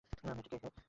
মেয়েটি কে হে!